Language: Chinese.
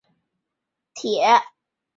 如今的马甸地区元朝时属于可封坊。